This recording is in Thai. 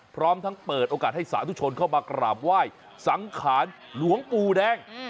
พร้อมทั้งเปิดโอกาสให้สาธุชนเข้ามากราบไหว้สังขารหลวงปู่แดง